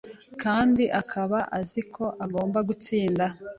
kandi akaba azi ko ugomba gutsinda